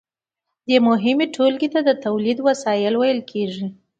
دې مهمې ټولګې ته د تولید وسایل ویل کیږي.